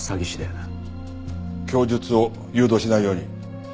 供述を誘導しないように。